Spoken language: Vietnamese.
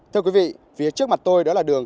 thưa quý vị phía trước mặt tôi đó là đường